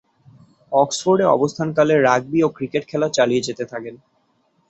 অক্সফোর্ডে অবস্থানকালে রাগবি ও ক্রিকেট খেলা চালিয়ে যেতে থাকেন।